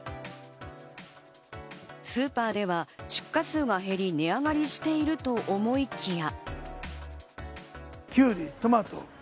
スーパーでは出荷数が減り、値上がりしていると思いきや。